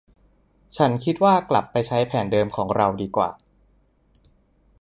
ฉันคิดว่ากลับไปใช้แผนเดิมของเราดีกว่า